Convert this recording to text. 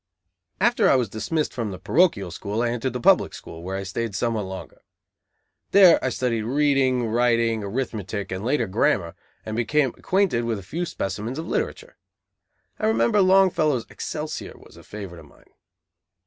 After I was dismissed from the parochial school, I entered the public school, where I stayed somewhat longer. There I studied reading, writing, arithmetic and later, grammar, and became acquainted with a few specimens of literature. I remember Longfellow's Excelsior was a favorite of mine.